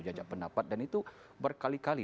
jajak pendapat dan itu berkali kali